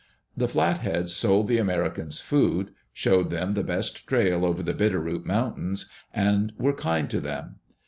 The Flatheads sold the Americans food, showed them the best trail over the Bitter Root Mountains, and were kind to them.